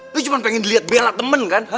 itu cuma pengen dilihat bela temen kan